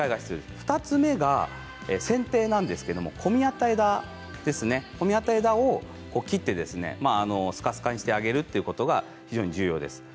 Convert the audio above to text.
２つ目がせん定なんですけれど混み合った枝を切ってすかすかにしてあげるということが非常に重要です。